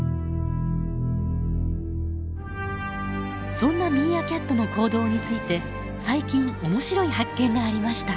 そんなミーアキャットの行動について最近面白い発見がありました。